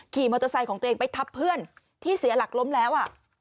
ขี่มอเตอร์ไซค์ของตัวเองไปทับเพื่อนที่เสียหลักล้มแล้ว